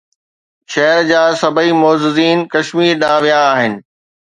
شهر جا سڀئي معززين ڪشمير ڏانهن ويا آهن